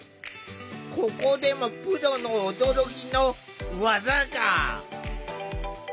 ここでもプロの驚きの技が。